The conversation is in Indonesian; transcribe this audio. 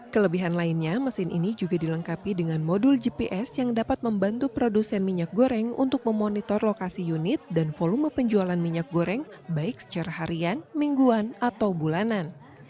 kelebihan lainnya mesin ini juga dilengkapi dengan modul gps yang dapat membantu produsen minyak goreng untuk memonitor lokasi unit dan volume penjualan minyak goreng baik secara harian mingguan atau bulanan